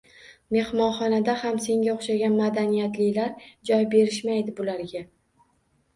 – Mehmonxonada ham senga o’xshagan madaniyatlilar joy berishmaydi bularga!